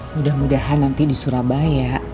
mudah mudahan nanti di surabaya